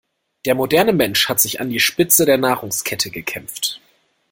Der moderne Mensch hat sich an die Spitze der Nahrungskette gekämpft.